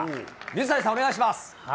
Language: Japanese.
水谷さん、お願いします。